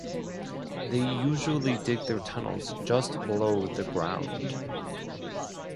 They usually dig their tunnels just below the ground.